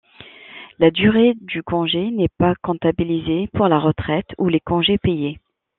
La durée du congé n’est pas comptabilisée pour la retraite ou les congés payés.